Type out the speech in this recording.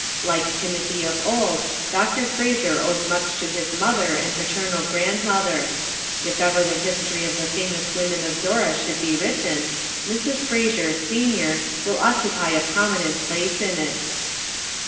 Like Timothy of old, Dr. Fraser owes much to his mother and paternal grandmother. If ever the history of the famous women of Zorra should be written, Mrs. Fraser, sen., will occupy a prominent place in it.